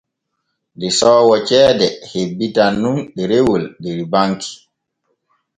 Desoowo ceede hebbitan nun ɗerewol der banki.